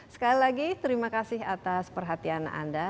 sekali lagi terima kasih atas perhatian anda